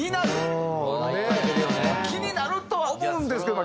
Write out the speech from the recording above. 気になるとは思うんですけど。